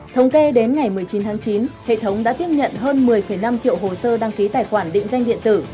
thống kê đến ngày một mươi chín tháng chín hệ thống đã tiếp nhận hơn một mươi năm triệu hồ sơ đăng ký tài khoản định danh điện tử